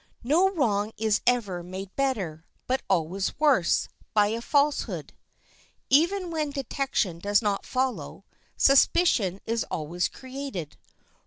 No wrong is ever made better, but always worse, by a falsehood. Even when detection does not follow, suspicion is always created.